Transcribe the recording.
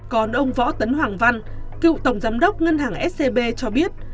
còn ông võ tấn hoàng văn cựu tổng giám đốc ngân hàng scb cho biết